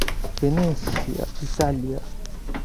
Venecia, Italia.